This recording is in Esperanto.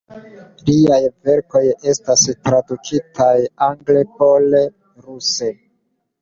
Liaj verkoj estas tradukitaj angle, pole, ruse.